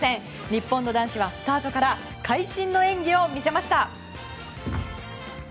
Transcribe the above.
日本の男子はスタートから会心の演技を見せました。